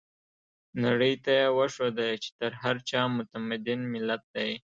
نړۍ ته يې وښوده چې تر هر چا متمدن ملت دی.